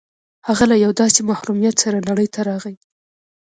هغه له یوه داسې محرومیت سره نړۍ ته راغی